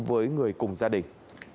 với người cùng gia đình